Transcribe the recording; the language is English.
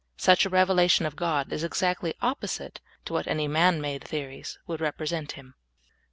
Such a revelation of God is exactly opposite to what any man made theories would represent Him.